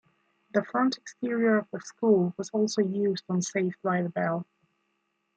The front exterior of the school was also used on "Saved by the Bell".